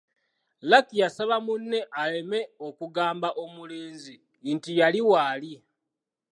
Lucky yasaba munne aleme okugamba omulenzi nti yali waali.